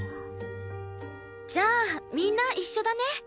じゃあみんな一緒だね。